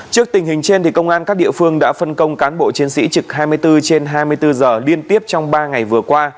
trước tình hình trên công an các địa phương đã phân công cán bộ chiến sĩ trực hai mươi bốn trên hai mươi bốn giờ liên tiếp trong ba ngày vừa qua